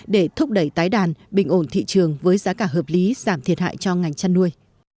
để thúc đẩy tái đàn bình ổn thị trường với giá cả hợp lý giảm thiệt hại cho ngành chăn nuôi